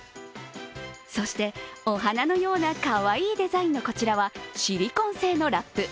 そして、お花のようなかわいいデザインのこちらはシリコン製のラップ。